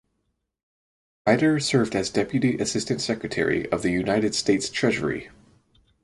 Haider served as deputy assistant secretary of the United States Treasury.